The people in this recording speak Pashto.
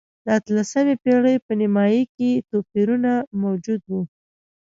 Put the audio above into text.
د اتلسمې پېړۍ په نییمایي کې توپیرونه موجود و.